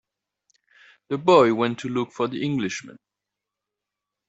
The boy went to look for the Englishman.